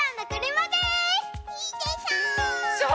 いいでしょう？